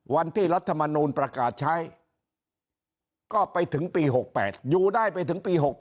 รัฐมนูลประกาศใช้ก็ไปถึงปี๖๘อยู่ได้ไปถึงปี๖๘